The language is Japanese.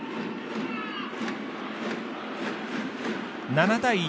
７対１。